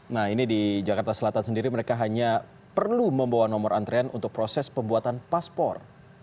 nah ini di jakarta selatan sendiri mereka hanya perlu membawa nomor antrean untuk proses pembuatan paspor